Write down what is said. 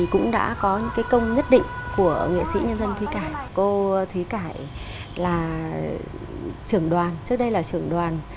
cô thúy cải là trường đoàn trước đây là trường đoàn